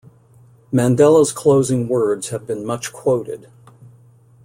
Mandela's closing words have been much-quoted.